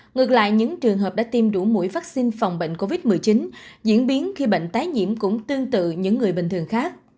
ngược lại những trường hợp đã tiêm đủ mũi vaccine phòng bệnh covid một mươi chín diễn biến khi bệnh tái nhiễm cũng tương tự những người bình thường khác